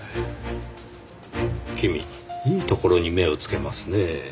君いいところに目をつけますねぇ。